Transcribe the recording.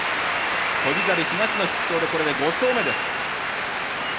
翔猿、東の筆頭でこれで５勝目です。